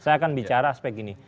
saya akan bicara aspek ini